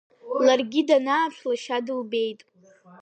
Ларгьы данааԥш лашьа дылбеит.